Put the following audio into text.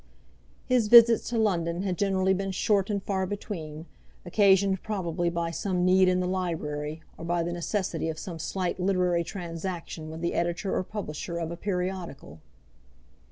His visits to London had generally been short and far between, occasioned probably by some need in the library, or by the necessity of some slight literary transaction with the editor or publisher of a periodical.